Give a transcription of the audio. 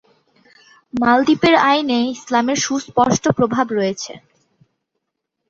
মালদ্বীপের আইনে ইসলামের সুস্পষ্ট প্রভাব রয়েছে।